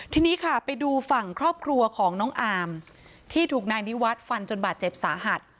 ทีนี้ค่ะไปดูฝั่งครอบครัวของน้องอามที่ถูกนายนิวัฒน์ฟันจนบาดเจ็บสาหัส